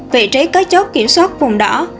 vị trí các chốt kiểm soát vùng đỏ